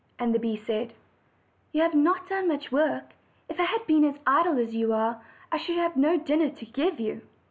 And the bee said: "You have not done much work. If I had been as idle as you are, I should have had no dinner to give you."